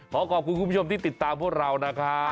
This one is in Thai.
ขอขอบคุณคุณผู้ชมที่ติดตามพวกเรานะครับ